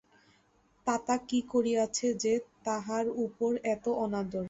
তাতা কী করিয়াছে যে, তাহার উপর এত অনাদর?